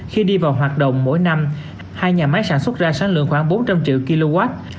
khi đi vào hoạt động mỗi năm hai nhà máy sản xuất ra sáng lượng khoảng bốn trăm linh triệu kw